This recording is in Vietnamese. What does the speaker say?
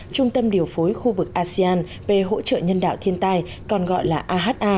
trung tâm điều phối khu vực asean về hỗ trợ nhân đạo thiên tai còn gọi là aha